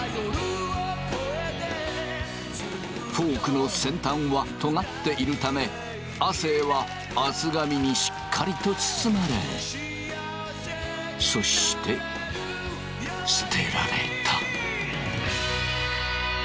フォークの先端はとがっているため亜生は厚紙にしっかりと包まれそして捨てられた。